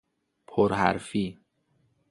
پر حرفی